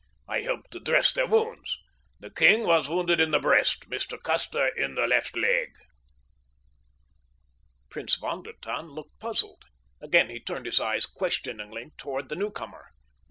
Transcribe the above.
I helped to dress their wounds. The king was wounded in the breast—Mr. Custer in the left leg." Prince von der Tann looked puzzled. Again he turned his eyes questioningly toward the newcomer.